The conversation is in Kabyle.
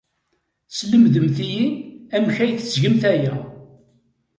Slemdemt-iyi amek ay tettgemt aya.